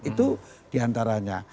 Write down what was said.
itu di antaranya